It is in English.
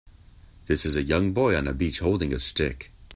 This is a young boy on a beach holding a stick.